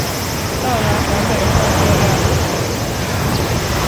到达陕北后作战负重伤。